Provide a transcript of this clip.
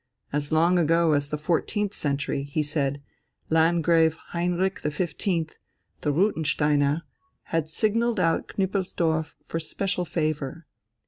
As long ago as the fourteenth century, he said, Langrave Heinrich XV, the Rutensteiner, had signalled out Knüppelsdorf for special favour.